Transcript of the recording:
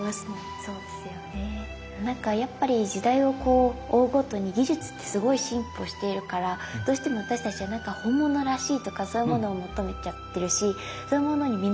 なんかやっぱり時代を追うごとに技術ってすごい進歩しているからどうしても私たちは本物らしいとかそういうものを求めちゃってるしそういうものに見